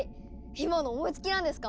今の思いつきなんですか？